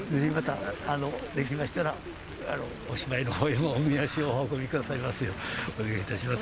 できましたらお芝居のほうへもおみ足をお運びくださいますよう、お願いいたします。